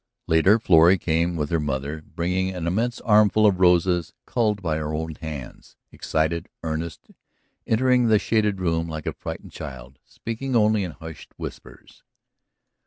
Later Florrie came with her mother, bringing an immense armful of roses culled by her own hands, excited, earnest, entering the shaded room like a frightened child, speaking only in hushed whispers.